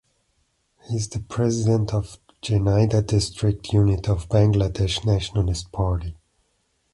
He is the President of Jhenaidah District unit of Bangladesh Nationalist Party.